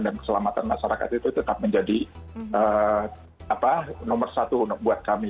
dan keselamatan masyarakat itu tetap menjadi nomor satu buat kami